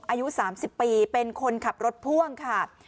อายุ๓๐ปีเป็นคนขับรถพ่วงค่ะ